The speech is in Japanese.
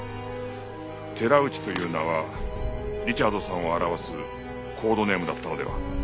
寺内という名はリチャードさんを表すコードネームだったのでは？